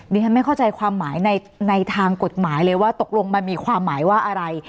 ฉันไม่เข้าใจความหมายในทางกฎหมายเลยว่าตกลงมันมีความหมายว่าอะไร